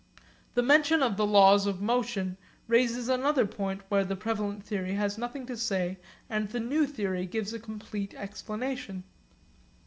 The mention of the laws of motion raises another point where the prevalent theory has nothing to say and the new theory gives a complete explanation.